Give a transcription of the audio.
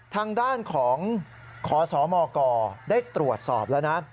ทางด้านของขสมกได้ตรวจสอบแล้วนะ